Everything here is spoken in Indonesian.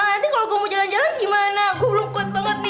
nanti kalau gue mau jalan jalan gimana gue lukut banget nih